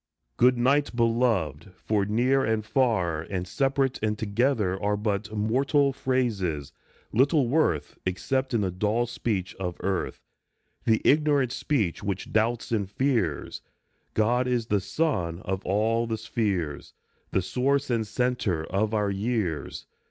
" Good night, Beloved," for near and far And separate and together are But mortal phrases, little worth Except in the dull speech of earth, The ignorant speech which doubts and fears. God is the sun of all the spheres, The source and centre of our years.